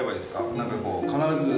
何かこう必ず。